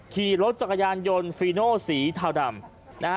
ขี่รถจักรยานยนต์ฟีโน้สีทาวน์ดำ